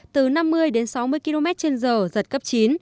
từ năm mươi đến sáu mươi km trên giờ giật cấp chín